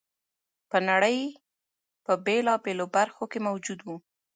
په نړۍ په بېلابېلو برخو کې موجود و